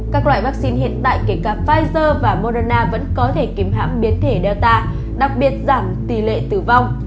các loại vaccine hiện tại kể cả pfizer và moderna vẫn có thể kìm hãm biến thể data đặc biệt giảm tỷ lệ tử vong